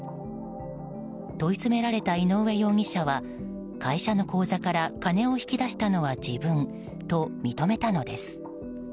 問い詰められた井上容疑者は会社の口座から金を引き出したのは自分と認めたのです。